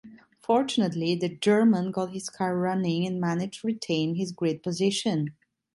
Fortunately, the German got his car running and managed retain his grid position.